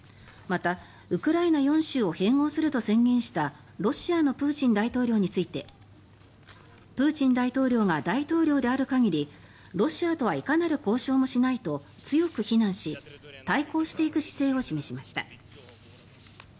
また、ウクライナ４州を併合すると宣言したロシアのプーチン大統領についてプーチン大統領が大統領である限りロシアとはいかなる交渉もしないと強く非難し対抗していく姿勢を示しました。